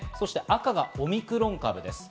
赤がオミクロン株です。